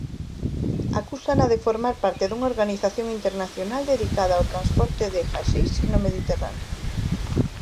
Acúsana de formar parte dunha organización internacional dedicada ao transporte de haxix no Mediterráneo.